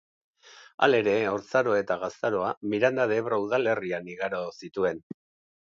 Halere, haurtzaroa eta gaztaroa Miranda de Ebro udalerrian igaro zituen.